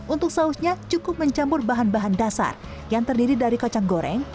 untuk sausnya cukup mencampur bahan bahan dasar yang terdiri dari kocang goreng